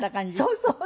そうそう！